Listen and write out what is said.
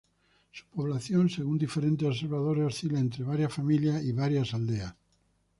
Su población, según diferentes observadores, oscila entre "varias familias" y "varias aldeas".